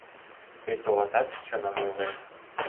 Тый, товатат, чыным ойлет?